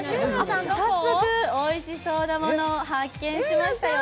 早速、おいしそうなものを発見しましたよ。